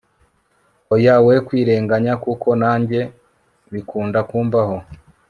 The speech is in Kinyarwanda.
oya we kwirenganya kuko nanjye bikunda kumbaho